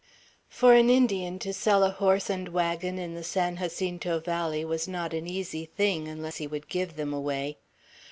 For an Indian to sell a horse and wagon in the San Jacinto valley was not an easy thing, unless he would give them away.